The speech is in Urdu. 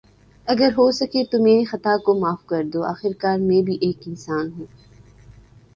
اگر ہوسکے تو میری خطا کو معاف کردو۔ آخر کار میں بھی ایک انسان ہوں۔